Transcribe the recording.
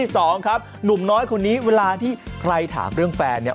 สองครับหนุ่มน้อยคนนี้เวลาที่ใครถามเรื่องแฟนเนี่ย